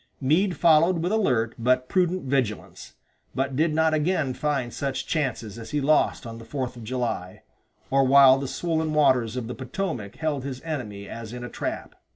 Meade followed with alert but prudent vigilance, but did not again find such chances as he lost on the fourth of July, or while the swollen waters of the Potomac held his enemy as in a trap.